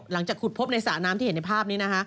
หลังจากขุดพบสะน้ำที่เห็นในภาพนี้